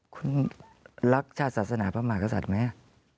คุณรักชาติศาสตร์ภาพมากษัตริย์ไหม